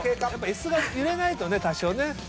イスが揺れないとね多少ね。